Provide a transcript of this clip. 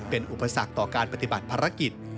เป็นอุปสรรคต่อการปฏิบัติภารกิจ